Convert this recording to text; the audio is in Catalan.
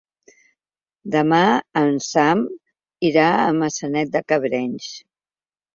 Demà en Sam irà a Maçanet de Cabrenys.